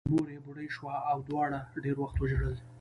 مور یې بوډۍ شوې وه او دواړو ډېر وخت وژړل